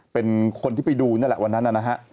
เป็นคนที่ไปดูนั่นแหละวันนั้นนะฮะ